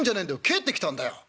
帰ってきたんだよ」。